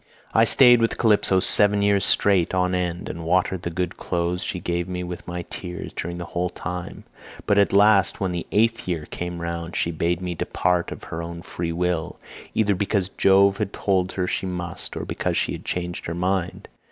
"I stayed with Calypso seven years straight on end, and watered the good clothes she gave me with my tears during the whole time; but at last when the eighth year came round she bade me depart of her own free will, either because Jove had told her she must, or because she had changed her mind.